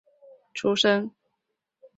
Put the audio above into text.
进士出身。